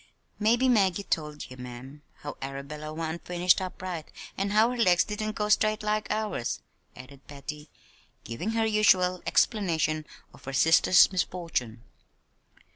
"Mebbe Maggie told ye, ma'am, how Arabella wa'n't finished up right, an' how her legs didn't go straight like ours," added Patty, giving her usual explanation of her sister's misfortune.